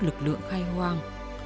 lực lượng khai hoang